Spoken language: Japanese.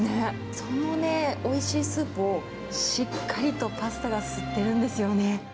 そのおいしいスープをしっかりとパスタが吸ってるんですよね。